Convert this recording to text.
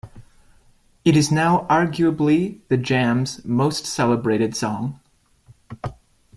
It is now arguably The Jam's most celebrated song.